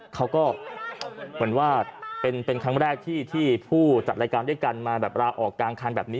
เขาก็เหมือนว่าเป็นครั้งแรกที่ผู้จัดรายการด้วยกันมาแบบลาออกกลางคันแบบนี้